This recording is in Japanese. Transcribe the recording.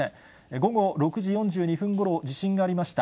午後６時４２分ごろ、地震がありました。